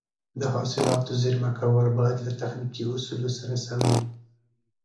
د حاصلاتو زېرمه کول باید له تخنیکي اصولو سره سم وي.